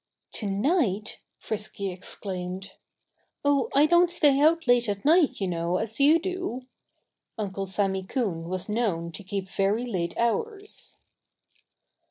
"To night!" Frisky exclaimed. "Oh, I don't stay out late at night, you know, as you do." Uncle Sammy Coon was known to keep very late hours.